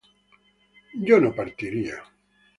yo no partiría